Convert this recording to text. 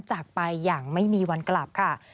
จากไปอย่างไม่มีวันกลับค่ะ